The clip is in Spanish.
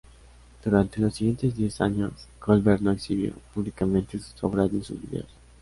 Durante los siguientes diez años, Colbert no exhibió públicamente sus obras ni sus videos.